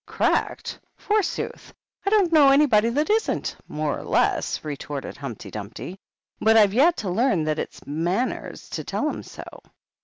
" G'dckedy forsooth ! I don't know anybody that isn't, — more or less," retorted Humpty Dumpty ;" but I've yet to learn that it's manners to tell 'em so.